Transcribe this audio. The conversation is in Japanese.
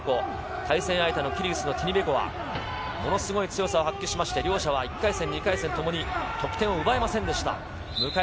対戦相手のキルギスのティニベコワ、ものすごい強さを発揮しまして、両者は１回戦、２回戦ともに得点を奪えませんでした。